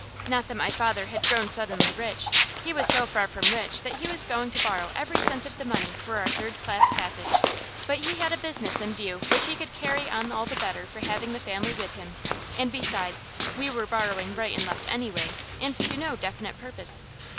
Not that my father had grown suddenly rich. He was so far from rich that he was going to borrow every cent of the money for our third class passage; but he had a business in view which he could carry on all the better for having the family with him; and, besides, we were borrowing right and left anyway, and to no definite purpose.